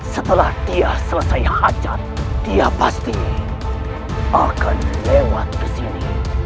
setelah dia selesai hajat dia pasti akan lewat kesini